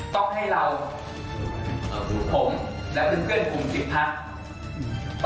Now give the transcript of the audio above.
ต้องให้เราผมและเพื่อนภูมิสิทธิพระ